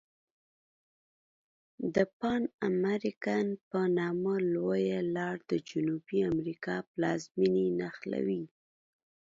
د پان امریکن په نامه لویه لار د جنوبي امریکا پلازمیني نښلولي.